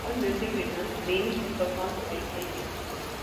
All music written, arranged, and performed by Ice age.